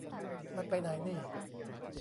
มันไปไหนนี่